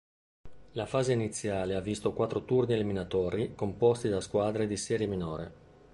La fase iniziale ha visto quattro turni eliminatori composti da squadre di serie minore.